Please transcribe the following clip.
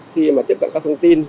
khi mà tiếp cận các thông tin